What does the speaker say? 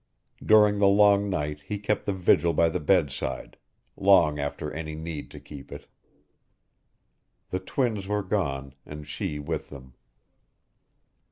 During the long night he kept the vigil by the bedside; long after any need to keep it. The twins were gone and she with them.